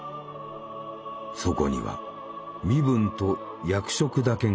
そこには身分と役職だけが記されている。